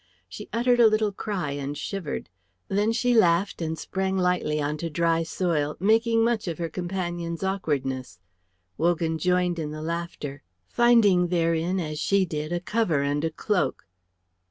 She uttered a little cry and shivered. Then she laughed and sprang lightly onto dry soil, making much of her companion's awkwardness. Wogan joined in the laughter, finding therein as she did a cover and a cloak.